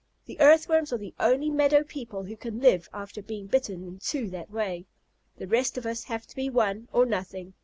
The Earthworms are the only meadow people who can live after being bitten in two that way. The rest of us have to be one, or nothing.